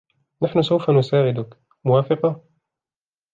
نحنُ سوفَ نُساعدكِ, موافقة؟